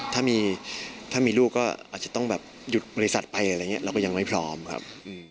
ถ้ามีลูกก็อาจจะต้องแบบหยุดบริษัทไปอะไรอย่างนี้เราก็ยังไม่พร้อมครับ